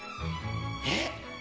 えっ。